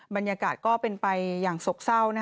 บรรยากาศก็เป็นไปอย่างโศกเศร้า